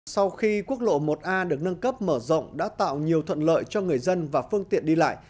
sau khi quốc lộ một a được nâng cấp mở rộng đã tạo nhiều thuận lợi cho người dân và phương tiện đi lại